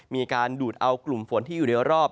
มีการแดดเอาบัลติกกลุ่มฝนที่อยู่ได้รอบ